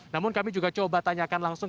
namun kami juga coba tanyakan langsung